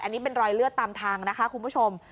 อันนี้เป็นรอยเลือดตามทางนะคะคุณผู้ชม